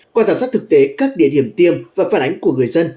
qua giám sát thực tế các địa điểm tiêm và phản ánh của người dân